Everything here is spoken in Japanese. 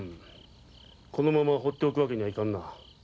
このままほっておくわけにはいかんな。